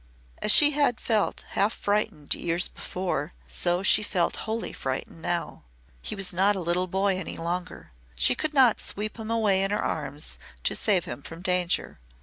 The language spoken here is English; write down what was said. As she had felt half frightened years before, so she felt wholly frightened now. He was not a little boy any longer. She could not sweep him away in her arms to save him from danger.